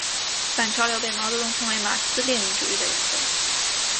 反潮流被毛泽东称为马克思列宁主义的原则。